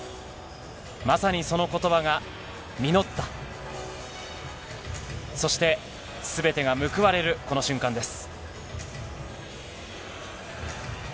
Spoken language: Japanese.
まさにそのことばが実った、そして、すべてが報われるこの瞬間です。